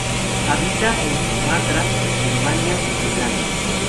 Habita en Sumatra, Birmania y Tailandia.